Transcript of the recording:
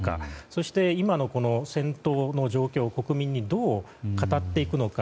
そして、今の戦闘の状況を国民にどう語っていくのか。